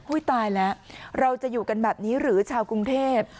ตายแล้วเราจะอยู่กันแบบนี้หรือชาวกรุงเทพ